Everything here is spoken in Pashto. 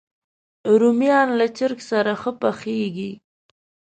رومیان له چرګ سره ښه پخېږي